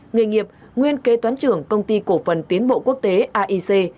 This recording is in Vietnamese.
nghề nghiệp nguyên kế toán trưởng công ty cổ phần tiến bộ quốc tế aic